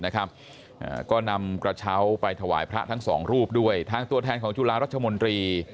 ก็นำกระเช้าไปถวายพระทั้งสองรูปด้วยทางตัวแทนของจุฬารัชมนตรี